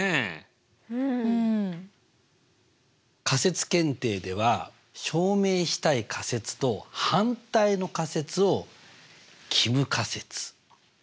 仮説検定では証明したい仮説と反対の仮説を帰無仮説